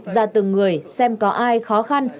ra từng người xem có ai khó khăn